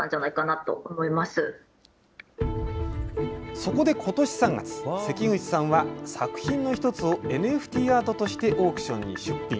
そこでことし３月、せきぐちさんは作品の１つをＮＦＴアートとして、オークションの出品。